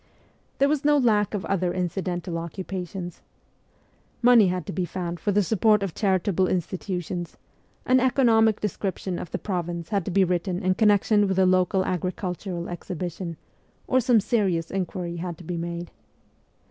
There was no lack of other incidental occupations. Money had to be found for the support of charitable institutions; an economic description of the province had to be written in connection with a local agricultural exhibition ; or some serious inquiry had to be made.